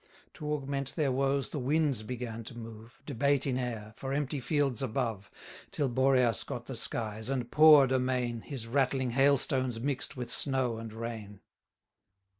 To augment their woes, the winds began to move, Debate in air, for empty fields above, Till Boreas got the skies, and pour'd amain 620 His rattling hailstones mix'd with snow and rain.